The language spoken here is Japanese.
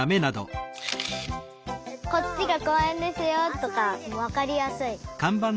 「こっちがこうえんですよ」とかわかりやすい。